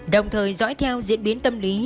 đồng thời dõi theo diễn biến tâm lý